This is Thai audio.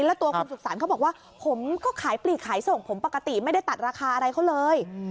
แล้วตัวคุณสุขสรรค์เขาบอกว่าผมก็ขายปลีกขายส่งผมปกติไม่ได้ตัดราคาอะไรเขาเลย